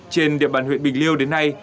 trên địa bàn huyện bình liêu đến nay